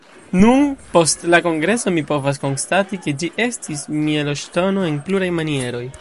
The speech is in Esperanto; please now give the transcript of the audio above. Nun, post la kongreso, mi povas konstati ke ĝi estis mejloŝtono en pluraj manieroj.